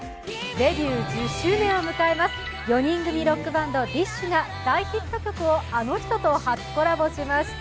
デビュー１０周年を迎えます、４人組ロックバンド、ＤＩＳＨ／／が大ヒット曲をあの人と初コラボしました。